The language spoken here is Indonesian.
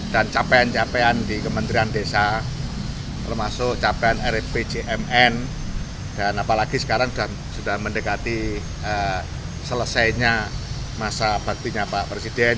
dan capaian capaian di kementerian desa termasuk capaian rdpjmn dan apalagi sekarang sudah mendekati selesainya masa baktinya pak presiden